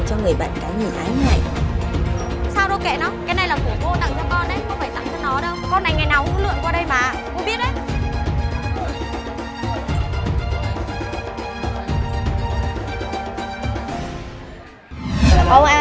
chỗ cô bán hàng nhá